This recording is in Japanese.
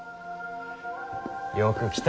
よく来た。